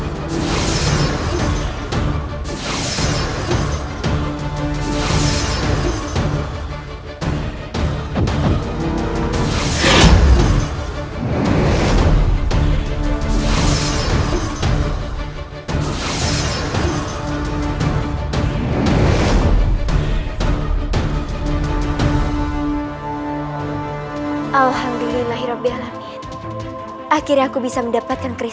tentu saja sejak aku merebutnya